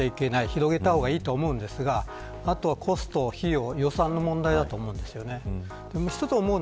広げたらいいと思いますがあとはコスト、費用予算の問題だと思います。